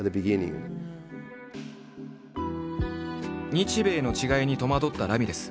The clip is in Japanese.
日米の違いに戸惑ったラミレス。